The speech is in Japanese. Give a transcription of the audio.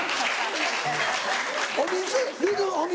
「お水？